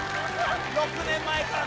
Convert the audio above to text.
６年前から